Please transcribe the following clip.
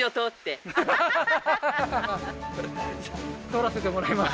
通らせてもらいます